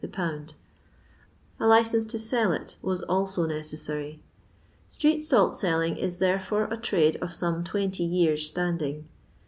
the' pound. A licence to sell it was SMry. Street salt selling is therefore a some twenty years standing.